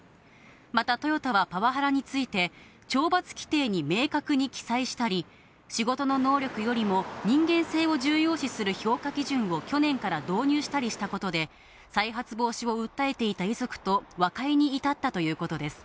また、トヨタはパワハラについて、懲罰規定に明確に記載したり、仕事の能力よりも人間性を重要視する評価基準を去年から導入したりしたことで、再発防止を訴えていた遺族と和解に至ったということです。